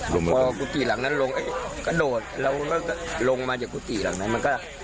ลงไปพอกุติหลังนั้นลงเอ๊ะกระโดดเราก็ลงมาจากกุติหลังนั้นมันก็